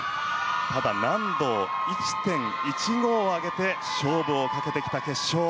ただ、難度を１．１５上げて勝負をかけてきた決勝。